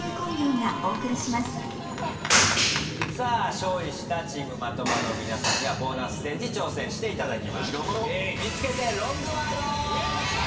勝利したチーム的場の皆さんにはボーナスステージ挑戦していただきます。